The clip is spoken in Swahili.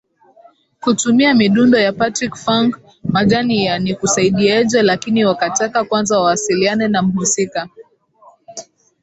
kutumia midundo ya Patrick funk Majani ya Nikusaidieje Lakini wakataka kwanza wawasiliane na mhusika